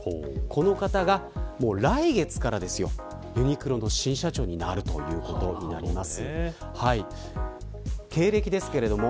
この方が来月からユニクロの新社長になるということです。